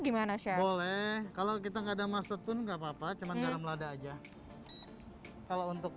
gimana chef boleh kalau kita enggak ada master pun nggak apa apa cuman garam lada aja kalau untuk